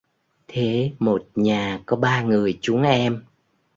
Thế Một Nhà có ba người chúng em